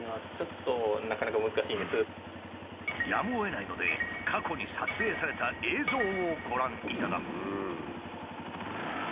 やむをえないので過去に撮影された映像をご覧いただこう。